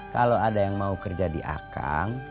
kalau ada yang mau kerja di akang